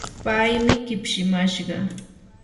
paymi kipshimashqa.